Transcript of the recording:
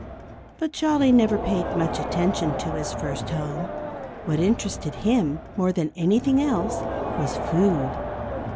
But Jolly never paid much attention to his first home. What interested him more than anything else was food.